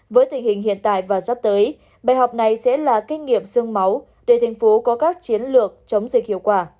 với tình hình hiện tại và sắp tới bài học này sẽ là kinh nghiệm xương máu để tp hcm có các chiến lược chống dịch hiệu quả